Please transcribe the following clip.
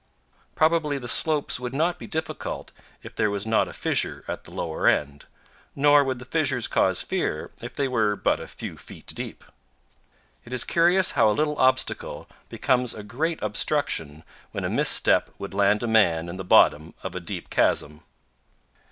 Probably the slopes would not be difficult if there was not a fissure at the lower end; nor would the fissures cause fear if they were but a few feet deep. It is curious how a little obstacle becomes a great obstruction when a misstep would land a man in the bottom of a deep chasm.